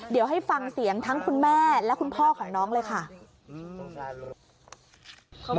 เดี๋ยวให้ฟังเสียงทั้งคุณแม่และคุณพ่อของน้องเลยค่ะ